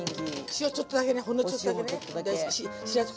塩ちょっとだけねほんのちょっとだけね。